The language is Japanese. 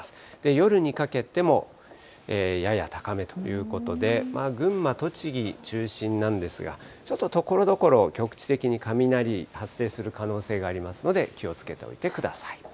夜にかけてもやや高めということで、群馬、栃木中心なんですが、ちょっとところどころ局地的に雷発生する可能性ありますので、気をつけておいてください。